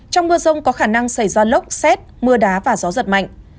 trong mưa rông có khả năng xảy ra lốc xét mưa đá và gió giật mạnh